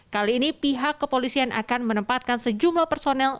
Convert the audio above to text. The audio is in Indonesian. kali ini pihak kepolisian akan menempatkan sejumlah personel